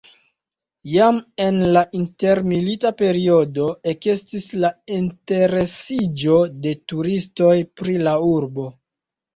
Jam en la intermilita periodo ekestis la interesiĝo de turistoj pri la urbo.